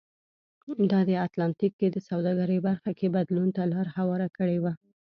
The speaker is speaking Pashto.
دا د اتلانتیک کې د سوداګرۍ برخه کې بدلون ته لار هواره کړې وه.